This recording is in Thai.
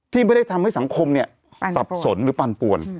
ที่ไม่ได้ทำให้สังคมเนี่ยสับสนหรือปั่นป่วน